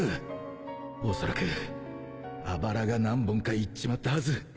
おそらくあばらが何本かいっちまったはず